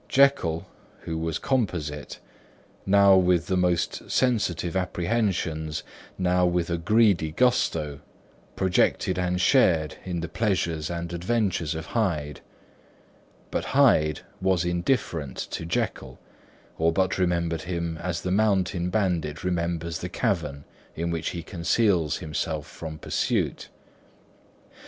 Jekyll (who was composite) now with the most sensitive apprehensions, now with a greedy gusto, projected and shared in the pleasures and adventures of Hyde; but Hyde was indifferent to Jekyll, or but remembered him as the mountain bandit remembers the cavern in which he conceals himself from pursuit.